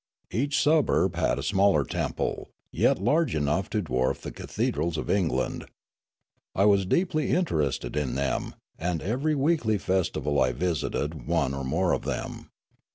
Each suburb had a smaller temple, yet large enough to dwarf the cathedrals of England. I was deeply inter ested in them, and ever} weekh' festival I visited one or more of them.